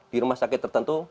di rumah sakit tertentu